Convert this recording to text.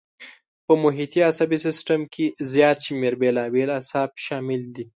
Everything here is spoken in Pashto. په محیطي عصبي سیستم کې زیات شمېر بېلابېل اعصاب شامل دي.